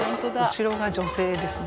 後ろが女性ですね。